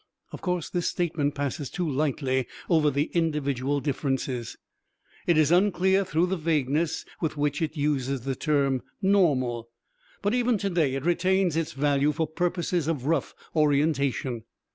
Of course, this statement passes too lightly over the individual differences, it is unclear through the vagueness with which it uses the term "normal," but even to day it retains its value for purposes of rough orientation.